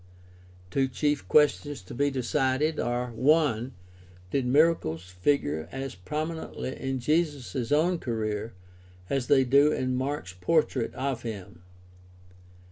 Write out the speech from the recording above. Two chief questions to be decided are: (i) Did miracles figure as prominently in Jesus' own career as they do in Mark's portrait of him